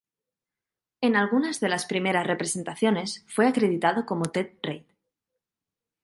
En algunas de las primeras representaciones fue acreditado como "Ted Reid.